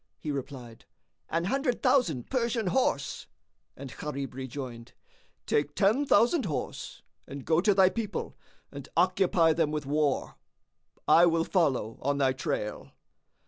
He replied, "An hundred thousand Persian horse;" and Gharib rejoined, "Take ten thousand horse and go to thy people and occupy them with war; I will follow on thy trail."